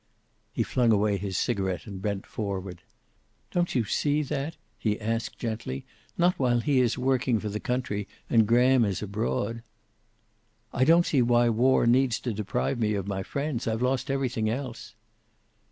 He flung away his cigaret, and bent forward. "Don't you see that?" he asked gently. "Not while he is working for the country, and Graham is abroad." "I don't see why war needs to deprive me of my friends. I've lost everything else."